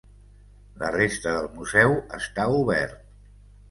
La resta del museu està obert.